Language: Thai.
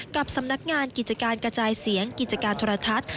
กับสำนักงานกิจการกระจายเสียงกิจการโทรทัศน์